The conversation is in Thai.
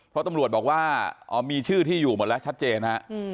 เพราะตำรวจบอกว่ามีชื่อที่อยู่หมดแล้วชัดเจนฮะ